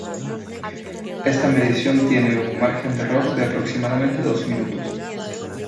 Esta medición tiene un margen de error de aproximadamente dos minutos.